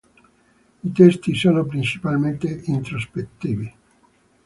I testi sono principalmente introspettivi.